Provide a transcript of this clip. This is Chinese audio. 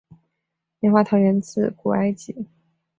棉花糖源自古埃及。